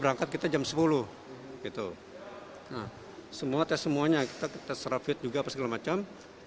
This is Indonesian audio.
nah semua tes semuanya kita tes rapid juga apa segala macam